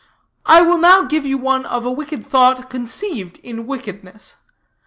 I will now give you one of a wicked thought conceived in wickedness.